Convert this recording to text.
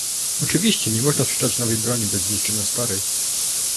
Oczywiście nie można sprzedać nowej broni bez zniszczenia starej